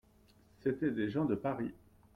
C'étaient des gens de Paris.